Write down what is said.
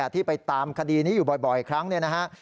ที่ไปตามคดีนี้อยู่บ่อยครั้งเนี่ยนะฮะ